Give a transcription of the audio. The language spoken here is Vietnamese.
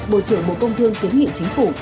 bộ trưởng bộ công thương kiến nghị chính phủ